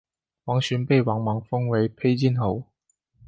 王寻被王莽封为丕进侯。